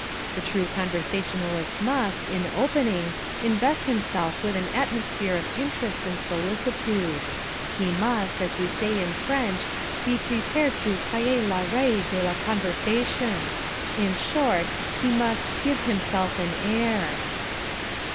The true conversationalist must, in opening, invest himself with an atmosphere of interest and solicitude. He must, as we say in French, be prepared to payer les rais de la conversation. In short, he must 'give himself an air.'"